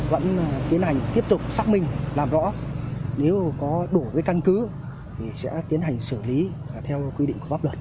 vẫn tiến hành tiếp tục xác minh làm rõ nếu có đủ cái căn cứ thì sẽ tiến hành xử lý theo quy định của pháp luật